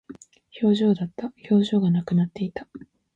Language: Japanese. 表情だった。表情がなくなっていた。